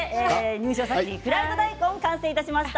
入賞作品、フライド大根完成いたしました。